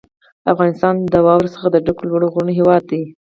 افغانستان د واورو څخه د ډکو لوړو غرونو هېواد دی.